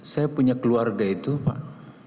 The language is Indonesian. saya punya keluarga itu pak